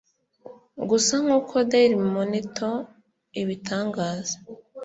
Gusa nkuko Daily Monitor ibitangaza